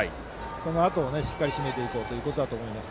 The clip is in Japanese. そのあとをしっかり締めていこうということだと思います。